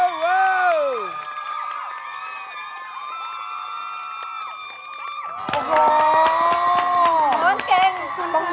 มันเก่ง